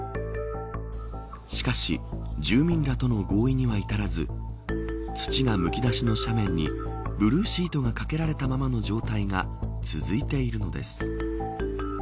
しかし住民らとの合意には至らず土がむき出しの斜面にブルーシートがかけられたままの状態が続いているのです。